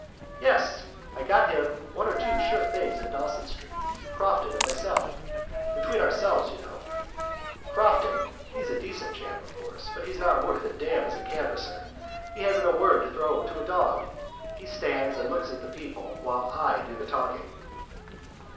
"Yes. I got him one or two sure things in Dawson Street, Crofton and myself. Between ourselves, you know, Crofton (he's a decent chap, of course), but he's not worth a damn as a canvasser. He hasn't a word to throw to a dog. He stands and looks at the people while I do the talking."